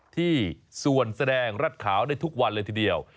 ที่ส่วนแสดงรัดขาวในทุกวันเลยทีเดียว